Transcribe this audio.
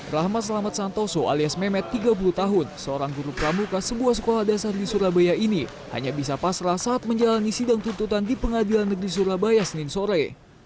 rahmat selamat santoso alias memet tiga puluh tahun seorang guru pramuka sebuah sekolah dasar di surabaya ini hanya bisa pasrah saat menjalani sidang tuntutan di pengadilan negeri surabaya senin sore